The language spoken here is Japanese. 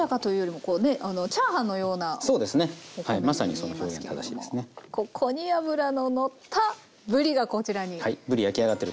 ここに脂ののったぶりがこちらに。